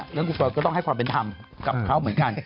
เรื่องคุณเฟิร์นก็ต้องให้ความเป็นธรรมกับเขาเหมือนกัน